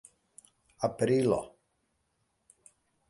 aprilo